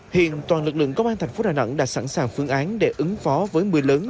hiện toàn lực lượng công an thành phố đà nẵng đã sẵn sàng phương án để ứng phó với mưa lớn